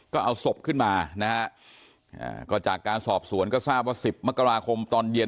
ก็เอาศพขึ้นมานะฮะก็จากการสอบสวนก็ทราบว่า๑๐มกราคมตอนเย็น